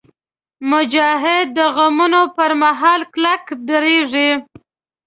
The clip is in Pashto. مجاهد د غمونو پر مهال کلک درېږي.